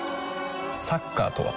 サッカーとは？